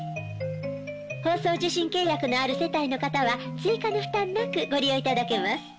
放送受信契約のある世帯の方は追加の負担なくご利用いただけます。